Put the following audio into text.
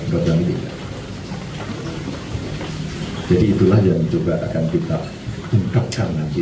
ganjar menegaskan akan menempuh jalur hukum di mahkamah konstitusi